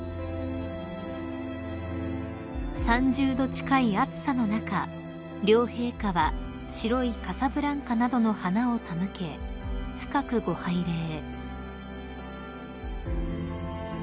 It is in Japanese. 近い暑さの中両陛下は白いカサブランカなどの花を手向け深くご拝礼］